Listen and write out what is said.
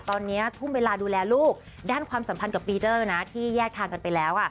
ตอนนี้ทุ่มเวลาดูแลลูกด้านความสัมพันธ์กับปีเดอร์นะที่แยกทางกันไปแล้ว